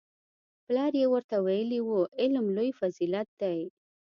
پلار یې ورته ویلي وو علم لوی فضیلت دی